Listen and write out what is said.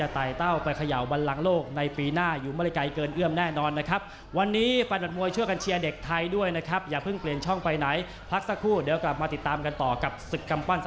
สละเลือนทุกญาติเป็นชาติพรี